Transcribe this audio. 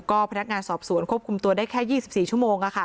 ก็พนักงานสอบสวนควบคุมตัวได้แค่๒๔ชั่วโมง